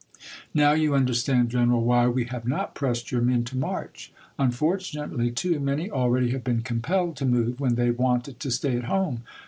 '* Now you understand, general, why we have not pressed your men to march. Unfortunately, too many already have been compelled to move, when they wanted to stay at home.